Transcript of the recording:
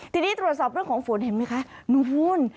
ทีนี้ตรวจสอบเรื่องของฝนเห็นไหมคะนู้น